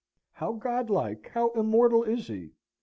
How godlike, how immortal, is he?